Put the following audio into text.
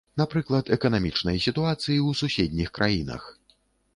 Напрыклад, эканамічнай сітуацыі ў суседніх краінах.